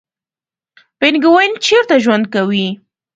پینګوین چیرته ژوند کوي؟